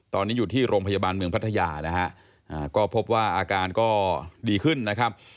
ตอนนี้อยู่ที่โรงพยาบาลเมืองพัทยานะฮะก็พบว่าอาการก็ดีขึ้นนะครับ